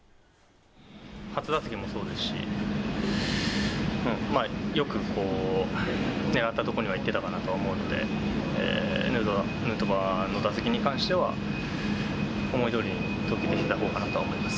初打席もそうですし、よく狙ったとこには行ってたかなとは思うので、ヌートバーの打席に関しては、思いどおりに投球できた方かなと思います。